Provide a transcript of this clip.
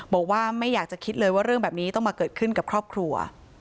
บอกว่าไม่อยากจะคิดเลยว่าเรื่องแบบนี้ต้องมาเกิดขึ้นกับครอบครัว